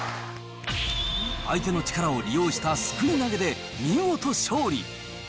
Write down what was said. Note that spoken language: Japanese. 相手の力を利用したすくい投げで見事勝利。